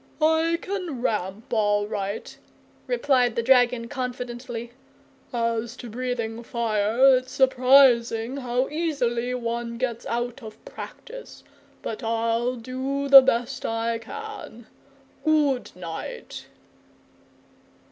"I can RAMP all right," replied the dragon, confidently; "as to breathing fire, it's surprising how easily one gets out of practice, but I'll do the best I can. Goodnight!"